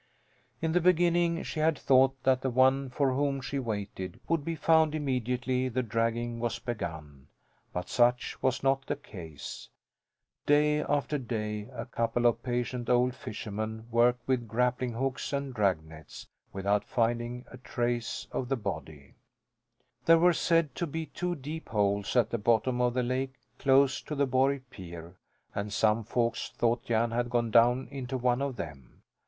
In the beginning she had thought that the one for whom she waited would be found immediately the dragging was begun. But such was not the case. Day after day a couple of patient old fishermen worked with grappling hooks and dragnets, without finding a trace of the body. There were said to be two deep holes at the bottom of the lake, close to the Borg pier, and some folks thought Jan had gone down into one of them.